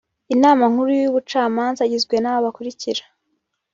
Inama nkuru y’ubucamanza igizwe n’aba bakurikira